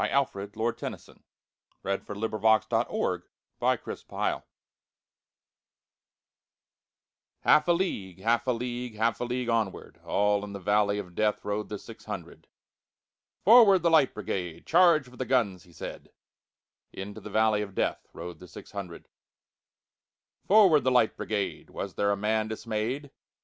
Alfred Tennyson, 1st Baron 1809–92 The Charge of the Light Brigade Tennyson HALF a league, half a league, Half a league onward, All in the valley of DeathRode the six hundred."Forward, the Light Brigade! Charge for the guns!" he said:Into the valley of DeathRode the six hundred."Forward, the Light Brigade!"Was there a man dismay'd?